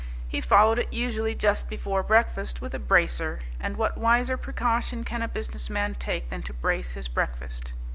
He followed it usually just before breakfast with a bracer and what wiser precaution can a businessman take than to brace his breakfast?